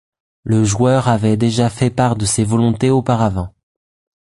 Le joueur avait déjà fait part de ses volontés auparavant.